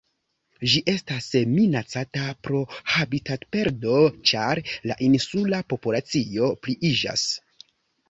Ĝi estas minacata pro habitatoperdo ĉar la insula populacio pliiĝas.